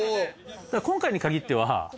「今回に限っては」